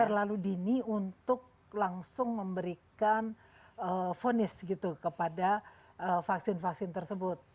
terlalu dini untuk langsung memberikan vonis gitu kepada vaksin vaksin tersebut